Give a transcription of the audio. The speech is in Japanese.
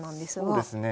そうですね。